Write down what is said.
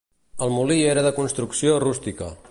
El molí era de construcció rústica.